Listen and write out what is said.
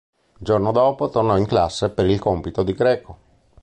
Il giorno dopo tornò in classe per il compito di greco.